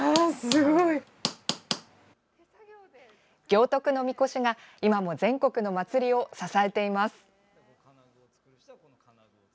行徳の神輿が今も全国の祭りを支えています。